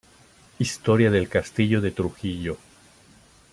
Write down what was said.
Historia del castillo de Trujillo.